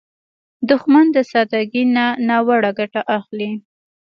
دښمن د سادګۍ نه ناوړه ګټه اخلي